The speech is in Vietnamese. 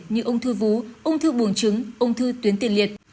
như ung thư vú ung thư buồn trứng ung thư tuyến tiệt liệt